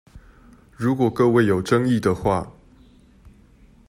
如果各位有爭議的話